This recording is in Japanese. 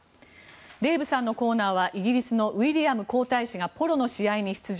デーブさんのコーナーはイギリスのウィリアム皇太子がポロの試合に出場。